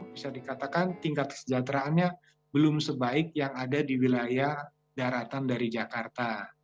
bisa dikatakan tingkat kesejahteraannya belum sebaik yang ada di wilayah daratan dari jakarta